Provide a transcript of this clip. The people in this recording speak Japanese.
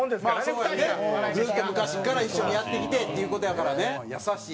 ずっと昔から一緒にやってきてっていう事やからね。